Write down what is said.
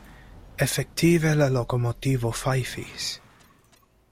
Efektive la lokomotivo fajfis.